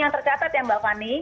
yang tercatat ya mbak fani